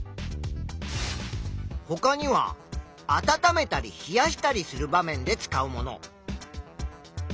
ほかには「温めたりひやしたりする場面で使うもの」。